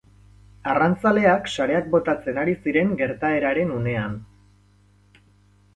Arrantzaleak sareak botatzen ari ziren gertaeraren unean.